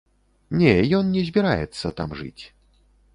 Не, ён не збіраецца там жыць.